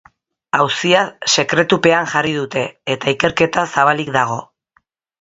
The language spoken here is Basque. Auzia sekretupean jarri dute, eta ikerketa zabalik dago.